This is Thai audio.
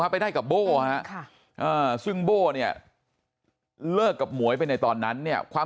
ไปได้กับโบ้ซึ่งโบ้เนี่ยเลิกกับหมวยไปในตอนนั้นเนี่ยความ